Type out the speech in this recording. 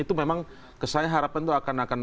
itu memang kesannya harapan itu akan